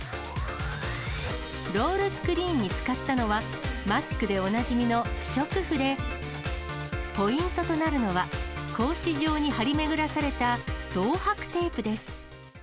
ロールスクリーンに使ったのは、マスクでおなじみの不織布で、ポイントとなるのは、格子状に貼り巡らされた銅はくテープです。